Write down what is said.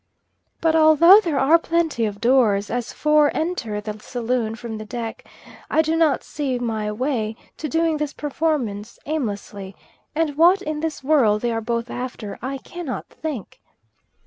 But although there are plenty of doors, as four enter the saloon from the deck, I do not see my way to doing this performance aimlessly, and what in this world they are both after I cannot think.